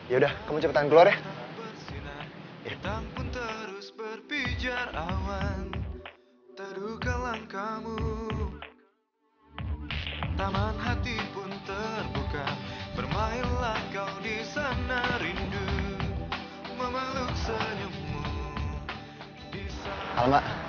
ya udah kamu cepetan keluar ya